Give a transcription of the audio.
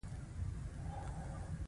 د شواب د مفکورې د تولید له امله ګټه وشوه